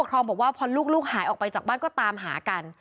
เราว่าพอนลูกหายออกไปด้วยจากบ้านก็ตามหากัน